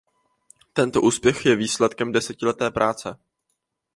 Tento úspěch je výsledkem desetileté práce.